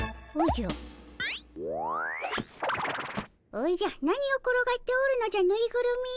おじゃ何を転がっておるのじゃぬいぐるみよ。